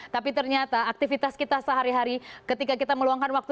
tapi ternyata aktivitas kita sehari hari ketika kita meluangkan waktu